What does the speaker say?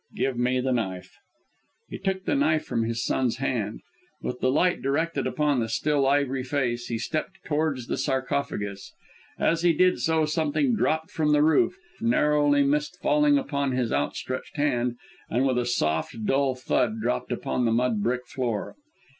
Give me the knife." He took the knife from his son's hand. With the light directed upon the still, ivory face, he stepped towards the sarcophagus. As he did so, something dropped from the roof, narrowly missed falling upon his outstretched hand, and with a soft, dull thud dropped upon the mud brick floor.